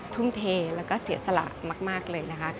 ทุ่มเทแล้วก็เสียสละมากเลยนะคะ